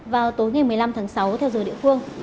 vào tối ngày một mươi năm tháng sáu theo giờ địa phương